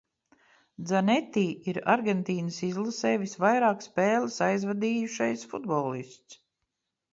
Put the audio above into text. Dzaneti ir Argentīnas izlasē visvairāk spēles aizvadījušais futbolists.